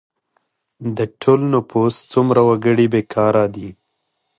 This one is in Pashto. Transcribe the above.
د ټول نفوس څومره وګړي بې کاره دي؟